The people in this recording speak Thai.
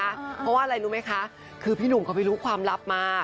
เพราะว่าอะไรรู้ไหมคะคือพี่หนุ่มเขาไปรู้ความลับมา